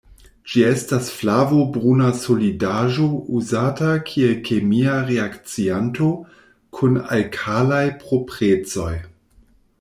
Ĝi estas flavo-bruna solidaĵo uzata kiel kemia reakcianto kun alkalaj proprecoj.